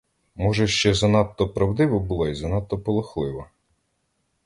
Може, ще занадто правдива була й занадто полохлива.